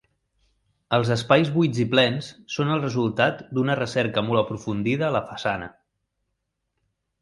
Els espais buits i plens són el resultat d'una recerca molt aprofundida a la façana.